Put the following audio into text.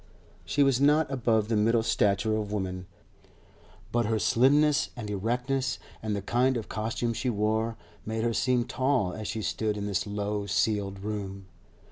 She was not above the middle stature of women, but her slimness and erectness, and the kind of costume she wore made her seem tall as she stood in this low ceiled room.